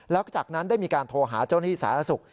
แล้วจากนั้นได้มีการโทรหาเจ้าหน้าที่สาธารณสุข